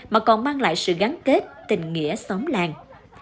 mà còn mang lại sự gắn kết tình nghĩa xóm làng